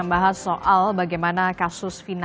terima kasih sudah bersama kami diuvre successfully